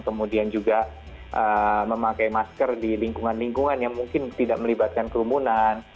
kemudian juga memakai masker di lingkungan lingkungan yang mungkin tidak melibatkan kerumunan